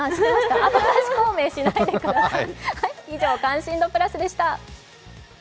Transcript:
後出し孔明しないでください。